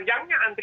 tapi untuk yang ber